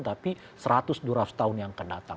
tapi seratus dua ratus tahun yang akan datang